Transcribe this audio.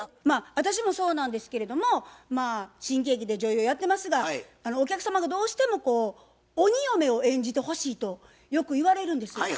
まあ私もそうなんですけれども新喜劇で女優やってますがお客様がどうしてもこう鬼嫁を演じてほしいとよく言われるんです。